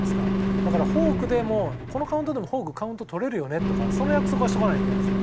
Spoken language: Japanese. だからフォークでもこのカウントでもフォークカウント取れるよねとかその約束はしとかないといけないんですよ。